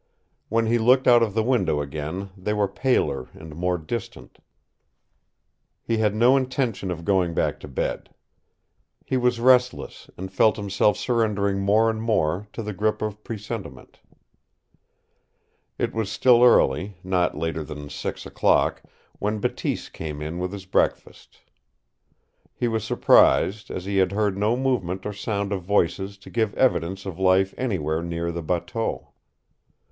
When he looked out of the window again they were paler and more distant. He had no intention of going back to bed. He was restless and felt himself surrendering more and more to the grip of presentiment. It was still early, not later than six o'clock, when Bateese came in with his breakfast. He was surprised, as he had heard no movement or sound of voices to give evidence of life anywhere near the bateau.